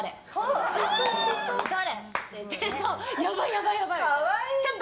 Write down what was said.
やばい、やばいって。